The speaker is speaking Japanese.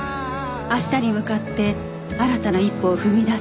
明日に向かって新たな一歩を踏み出す